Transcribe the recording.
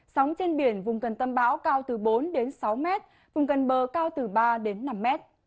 sóng trên biển vùng gần tâm báo cao từ bốn đến sáu m vùng gần bờ cao từ ba đến năm m